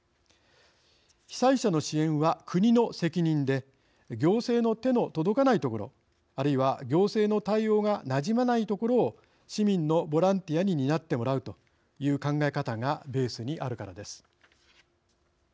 被災者の支援は国の責任で行政の手の届かないところあるいは行政の対応がなじまないところを市民のボランティアに担ってもらう、という考え方がベースにあるからです。